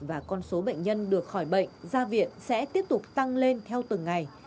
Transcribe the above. và con số bệnh nhân được khỏi bệnh ra viện sẽ tiếp tục tăng lên theo từng ngày